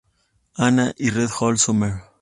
Anna" y "Red Hook Summer".